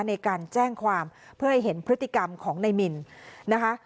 ในการแจ้งความเพื่อให้เห็นพฤติกรรมของนายมินนะคะ